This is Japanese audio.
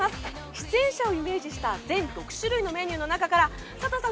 出演者をイメージした全６種類のメニューの中から佐藤さん